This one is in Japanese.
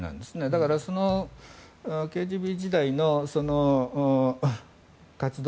だから、そのＫＧＢ時代の活動